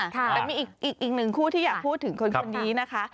แต่มีอีกหนึ่งคู่ที่อยากพูดถึงคนนี้นะคะ